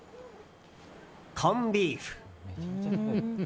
コンビーフ。